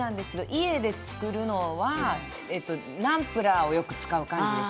家で作るのはナムプラーをよく使う感じです。